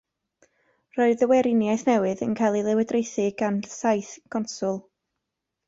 Roedd y weriniaeth newydd yn cael ei llywodraethu gan saith conswl.